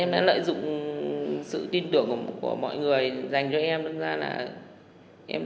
nói dối mọi người để mọi người lục tiền cho em